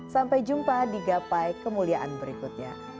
sampai jumpa di gapai kemuliaan berikutnya